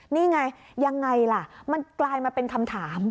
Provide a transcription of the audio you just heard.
นี่ไงยังไงล่ะมันกลายมาเป็นคำถาม